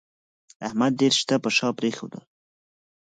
احمد ډېر شته پر شا پرېښول